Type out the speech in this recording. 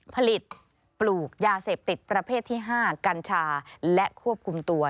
ปลูกยาเสพติดประเภทที่๕กัญชาและควบคุมตัว